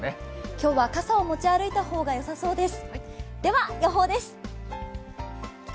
今日は傘を持ち歩いた方がよさそうです。